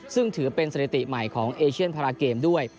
ซึ่งถือเป็นสถิติใหม่ของเอเชียนพาราเกมด้วย